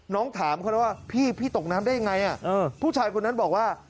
ถามเขาแล้วว่าพี่พี่ตกน้ำได้ยังไงผู้ชายคนนั้นบอกว่า